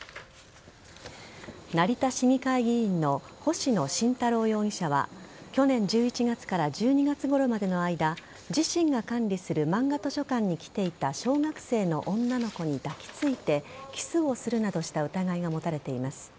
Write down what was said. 成田市議会議員の星野慎太郎容疑者は去年１１月から１２月ごろまでの間自身が管理するまんが図書館に来ていた小学生の女の子に抱きついてキスをするなどした疑いが持たれています。